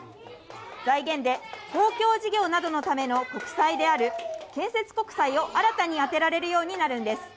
財源で公共事業などのための国債である、建設国債を新たに充てられるようになるんです。